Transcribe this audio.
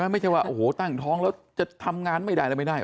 ไม่ใช่ว่าตั้งท้องแล้วจะทำงานไม่ได้แล้วไม่ได้